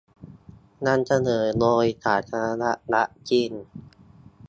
นำเสนอโดยสาธารณรัฐจีน